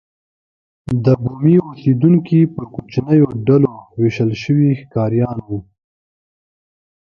دا بومي اوسېدونکي پر کوچنیو ډلو وېشل شوي ښکاریان وو.